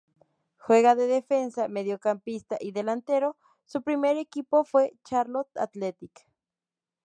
Juega de defensa, mediocampista y delantero. Su primer equipo fue Charlton Athletic.